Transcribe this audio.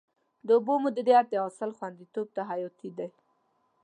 د اوبو مدیریت د حاصل خوندیتوب ته حیاتي دی.